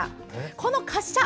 この滑車！